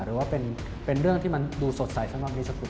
หรือว่าเป็นเรื่องที่มันดูสดใสเท่านั้นไหม